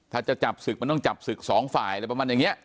ถ้าจะจับศึกมันต้องจับศึกสองฝ่ายอะไรประมาณอย่างนี้